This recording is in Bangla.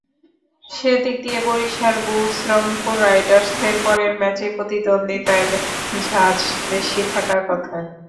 সেদিক দিয়ে বরিশাল বুলস-রংপুর রাইডার্সের পরের ম্যাচেই প্রতিদ্বন্দ্বিতার ঝাঁজ বেশি থাকার কথা।